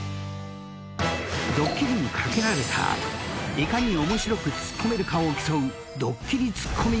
［ドッキリにかけられた後いかに面白くツッコめるかを競うドッキリツッコミＧＰ］